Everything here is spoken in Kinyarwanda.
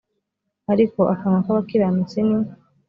ariko akanwa k abakiranutsi ni